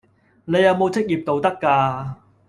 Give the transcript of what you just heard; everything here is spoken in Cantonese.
你有冇職業道德㗎？